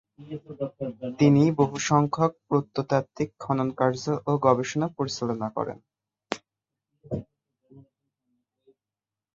তিনি বহুসংখ্যক প্রত্নতাত্ত্বিক খননকার্য ও গবেষণা পরিচালনা করেন।